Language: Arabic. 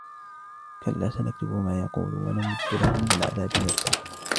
كلا سنكتب ما يقول ونمد له من العذاب مدا